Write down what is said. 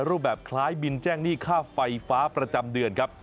รูปแบบคล้ายบินแจ้งหนี้ค่าไฟฟ้าประจำเดือนครับ